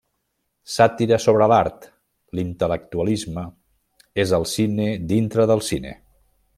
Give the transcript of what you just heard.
Sàtira sobre l'art, l'intel·lectualisme; és el cine dintre del cine.